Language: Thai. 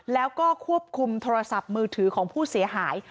แล้วก็ควบคุมโทรศัพท์มือถือของผู้เสียหาย